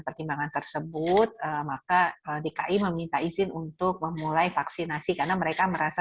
pertimbangan tersebut maka dki meminta izin untuk memulai vaksinasi karena mereka merasa